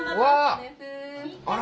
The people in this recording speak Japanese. あら！